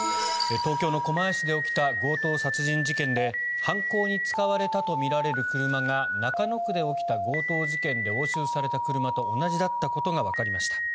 東京の狛江市で起きた強盗殺人事件で犯行に使われたとみられる車が中野区で起きた強盗事件で押収された車と同じだったことがわかりました。